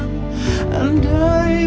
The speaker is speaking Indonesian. bapak jalan dulu ya